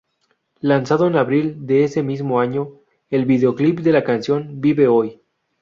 Lanzando, en abril de ese mismo año, el videoclip de la canción Vive hoy.